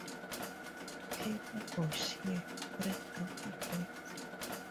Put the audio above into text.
Pepper" for sheer freak-out effect".